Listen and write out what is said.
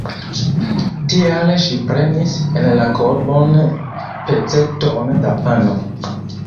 Tial ŝi prenis en la korbon peceton da pano.